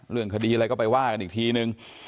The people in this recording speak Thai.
เรื่องคดีอะไรก็ไปว่ากันอีกทีนึง